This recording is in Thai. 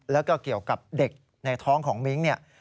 แล้วก็เกี่ยวกับเด็กในท้องของมิ้งเนี่ย